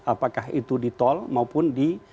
apakah itu di tol maupun di